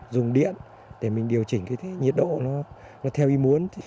dùng điện để mình điều chỉnh nhiệt độ theo ý muốn